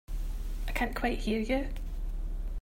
I can't quite hear you.